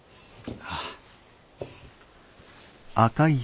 ああ。